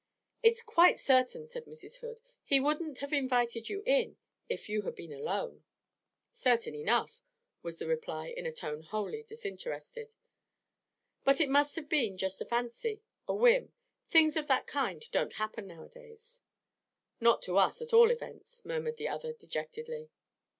'It's quite certain,' said Mrs. Hood, 'he wouldn't have invited you in if you had been alone.' 'Certain enough,' was the reply, in a tone wholly disinterested. 'But it must have been just a fancy, a whim. Things of that kind don't happen nowadays.' 'Not to us, at all events,' murmured the other dejectedly.